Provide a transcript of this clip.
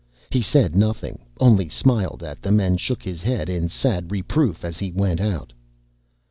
He said nothing, only smiled at them and shook his head in sad reproof as he went out.